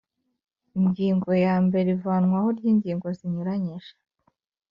Ingingo ya mbere Ivanwaho ry ingingo zinyuranyije